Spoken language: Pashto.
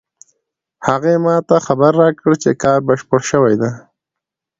هغې ما ته خبر راکړ چې کار بشپړ شوی ده